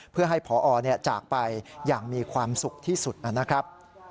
เพื่อให้พอจากไปอย่างมีความสุขที่สุดนะครับ